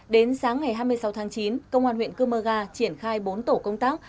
đến sáng ngày hai mươi sáu tháng chín công an huyện cơ mơ ga triển khai bốn tổ công tác